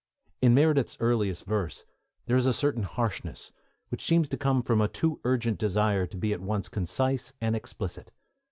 In Meredith's earliest verse there is a certain harshness, which seems to come from a too urgent desire to be at once concise and explicit.